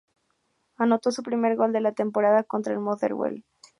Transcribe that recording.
Anotó su primer gol de la temporada contra el Motherwell.